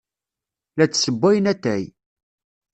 La d-ssewwayen atay.